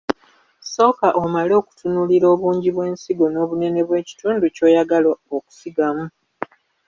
Sooka omale okutunuulira obungi bw’ensigo n’obunene bw’ekitundu ky’oyagala okusigamu.